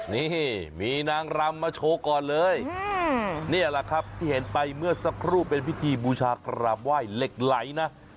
นี่มีนางรำมาโชว์ก่อนเลยนี่แหละครับที่เห็นไปเมื่อสักครู่เป็นพิธีบูชากราบไหว้เหล็กไหลนะ